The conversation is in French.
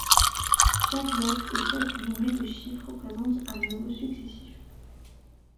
Chaque lettre et chaque doublet de chiffres représente un niveau successif.